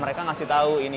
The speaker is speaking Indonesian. mereka ngasih tahu ini